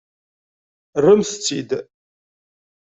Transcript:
Rremt-t-id!